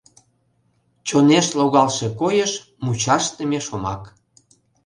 Чонеш логалше койыш, Мучашдыме шомак.